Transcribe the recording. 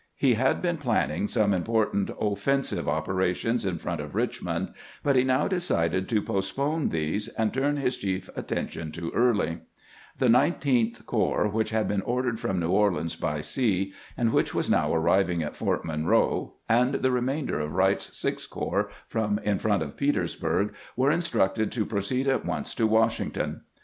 He had been planning some important offensive opera tions in front of Richmond, but he now decided to post pone these and turn his chief attention to Early, 238 CAMPAIGNING WITH GBANT The Nineteenth Corps, which had been ordered from New Orleans by sea, and which was ' now arriving at Fort Monroe, and the remainder of Wright's Sixth Corps from in front of Petersburg, were instructed to proceed at once to Washington.